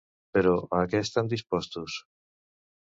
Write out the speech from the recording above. Però, a què estan dispostos?